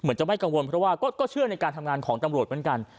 จะไม่กังวลเพราะว่าก็เชื่อในการทำงานของตำรวจเหมือนกัน